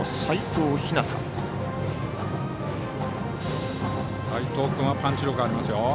齋藤君はパンチ力ありますよ。